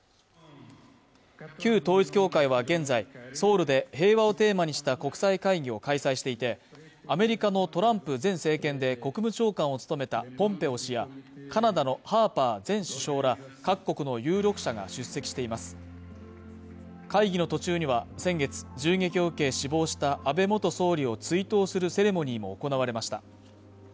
旧統一教会は現在ソウルで平和をテーマにした国際会議を開催していてアメリカのトランプ前政権で国務長官を務めたポンペオ氏やカナダのハーパー前首相ら各国の有力者が出席しています会議の途中には先月銃撃を受け死亡した安倍元総理を追悼するセレモニーも行われました